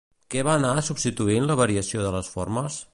Què va anar substituint la variació de les formes?